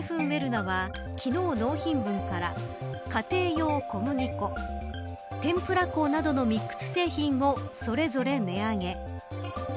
ウェルナは昨日納品分から家庭用小麦粉天ぷら粉などのミックス製品をそれぞれ値上げ。